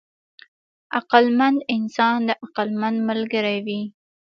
عقلمند انسان د عقلمند ملګری وي.